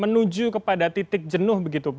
menuju kepada titik jenuh begitu